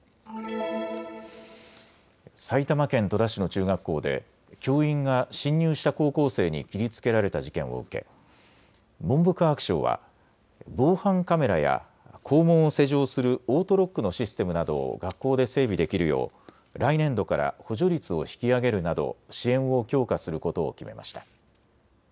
埼玉県戸田市の中学校で教員が侵入した高校生に切りつけられた事件を受け文部科学省は防犯カメラや校門を施錠するオートロックのシステムなどを学校で整備できるよう来年度から補助率を引き上げるなど支援を強化することを決めました。